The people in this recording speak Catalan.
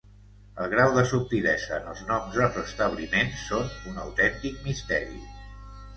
El grau de subtilesa en els noms dels establiments són un autèntic misteri.